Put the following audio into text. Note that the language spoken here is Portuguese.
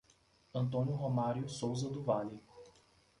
Antônio Romario Souza do Vale